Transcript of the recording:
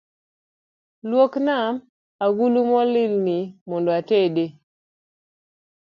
Luokna agulu molil ni mondo atede